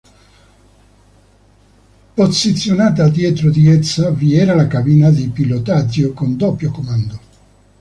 Posizionata dietro di essa vi era la cabina di pilotaggio con doppio comando.